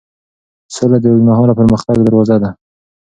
سوله د اوږدمهاله پرمختګ دروازه ده.